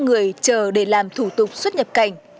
người chờ để làm thủ tục xuất nhập cảnh các cán bộ biên phòng